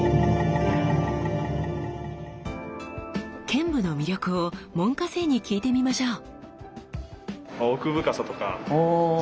剣舞の魅力を門下生に聞いてみましょう！